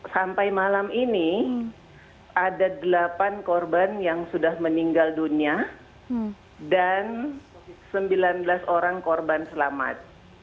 sampai malam ini ada delapan korban yang sudah meninggal dunia dan sembilan belas orang korban selamat